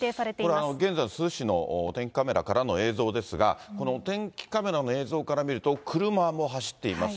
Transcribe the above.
これ、現在の珠洲市のお天気カメラからの映像ですが、このお天気カメラの映像から見ると、車も走っています。